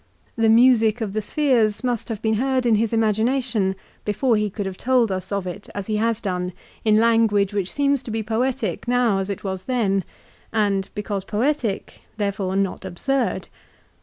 The music of the spheres must have been heard in his imagination before he could have told us of it as he has done in language which seems to be poetic now as it was then, and because poetic, therefore not absurd.